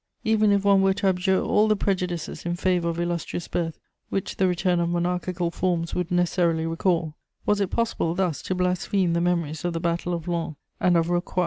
Even if one were to abjure all the prejudices in favour of illustrious birth which the return of monarchical forms would necessarily recall, was it possible thus to blaspheme the memories of the Battle of Lens and of Rocroi?